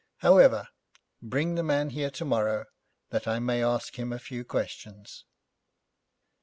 However, bring the man here tomorrow, that I may ask him a few questions.'